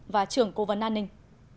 và trưởng cố vấn an ninh